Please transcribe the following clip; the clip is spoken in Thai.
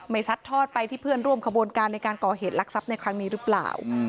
ซัดทอดไปที่เพื่อนร่วมขบวนการในการก่อเหตุลักษัพในครั้งนี้หรือเปล่า